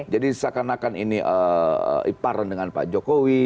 jadi seakan akan ini iparan dengan pak jokowi